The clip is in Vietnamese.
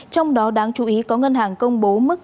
trong đó đáng chú ý có ngân hàng công bố mức lãi suất